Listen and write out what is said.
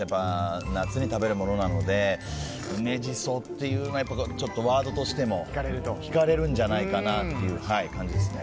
夏に食べるものなので梅じそというのがワードとしても引かれるんじゃないかなという感じですね。